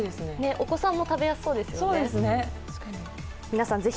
お子さんも食べやすそうですよね。